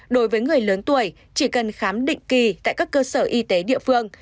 đối với người lớn tuổi chỉ cần khám định kỳ tại các cơ sở y tế địa phương